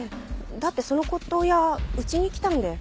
だってその骨董屋うちに来たんで。